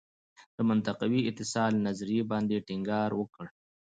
د منطقوي اتصال نظریې باندې ټینګار وکړ.